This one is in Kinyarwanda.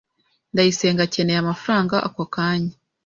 Ndayisenga akeneye amafaranga ako kanya.